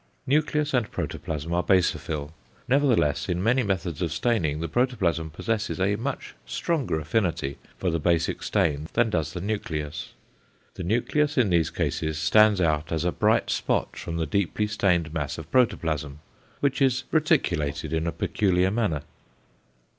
Nucleus and protoplasm are basophil, nevertheless in many methods of staining the protoplasm possesses a much stronger affinity for the basic stain than does the nucleus. The nucleus in these cases stands out as a bright spot from the deeply stained mass of protoplasm, which is reticulated in a peculiar manner.